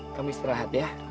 kamu istirahat ya